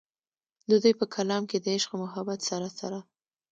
د دوي پۀ کلام کښې د عشق و محبت سره سره